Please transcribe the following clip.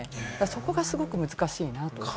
そこがすごく難しいなと思います。